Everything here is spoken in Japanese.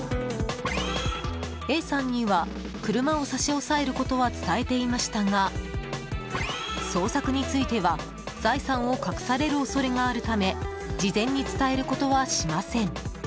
Ａさんには車を差し押さえることは伝えていましたが捜索については財産を隠される恐れがあるため事前に伝えることはしません。